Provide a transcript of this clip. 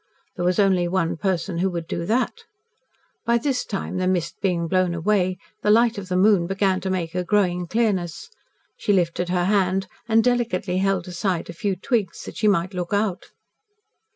There was only one person who would do that. By this time, the mist being blown away, the light of the moon began to make a growing clearness. She lifted her hand and delicately held aside a few twigs that she might look out.